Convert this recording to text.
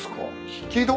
引き戸？